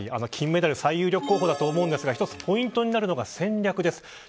金メダル最有力候補だと思うんですがポイントになるのが戦略です。